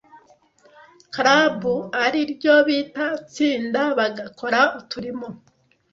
club ari ryo bita tsinda? Bagakora uturimo